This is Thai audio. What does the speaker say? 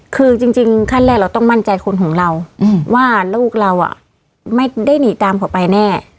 คือจริงขั้นแรกเราต้องมั่นใจคนของเราว่าลูกเราไม่ได้หนีตามเขาไปแน่